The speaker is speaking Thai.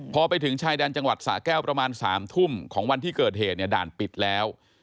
พอไปถึงชายแดนจังหวัดสะแก้วประมาณ๓ทุ่มของวันที่เกิดเหตุเนี่ยด่านปิดแล้ว